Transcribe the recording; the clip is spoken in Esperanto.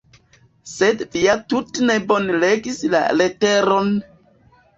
Sed vi ja tute ne bone legis la leteron!